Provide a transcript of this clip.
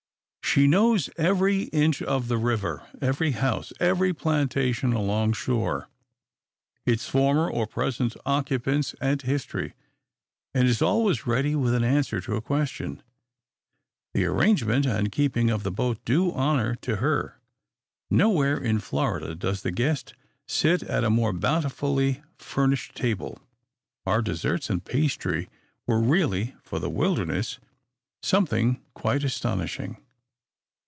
She knows every inch of the river, every house, every plantation along shore, its former or present occupants and history; and is always ready with an answer to a question. The arrangement and keeping of the boat do honor to her. Nowhere in Florida does the guest sit at a more bountifully furnished table. Our desserts and pastry were really, for the wilderness, something quite astonishing.